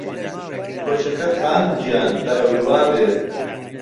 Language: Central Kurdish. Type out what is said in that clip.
کۆچهکهت خانم گیان بهرهو دوا بێ